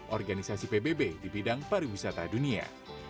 organisasi pbb di bidang pariwisata dunia